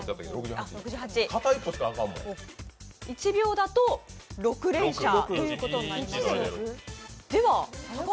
１秒だと６連射ということになります。